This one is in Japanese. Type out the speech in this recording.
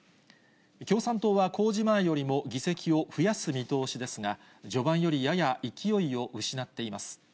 共産党は公示前よりも議席を増やす見通しですが、序盤よりやや勢いを失っています。